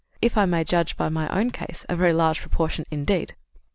If I may judge by my own case, a very large proportion indeed."